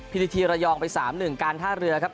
พิธีทีระยองไป๓๑การท่าเรือครับ